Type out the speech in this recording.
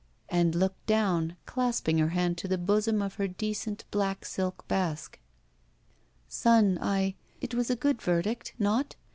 And looked down, clasping her hand to the bosom of her decent black silk basque. "Son, I — It was a good verdict, not?